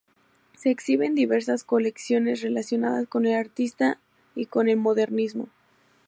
Se exhiben diversas colecciones relacionadas con el artista y con el modernismo.